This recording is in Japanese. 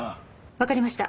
わかりました。